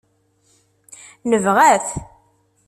Nebɣa-t.